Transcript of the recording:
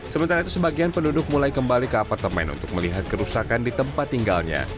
sementara itu sebagian penduduk mulai kembali ke apartemen untuk melihat kerusakan di tempat tinggalnya